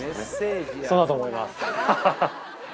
そうだと思います。